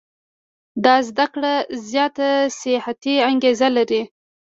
دا زده کړه زیاته سیاحتي انګېزه لري.